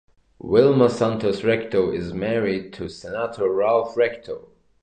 Vilma Santos-Recto is married to Senator Ralph Recto.